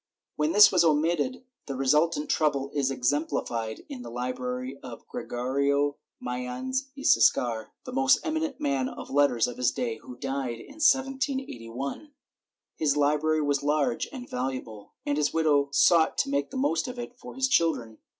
When this was omitted the resultant trouble is exemplified in the library of Gre gorio Mayans y Siscar, the most eminent man of letters of his day, who died in 1781. His library was large and valuable, and his widow sought to make the most of it for his children.